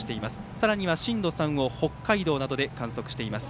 さらには震度３を北海道などで観測しています。